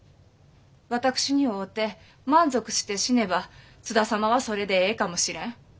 私に会うて満足して死ねば津田様はそれでええかもしれん。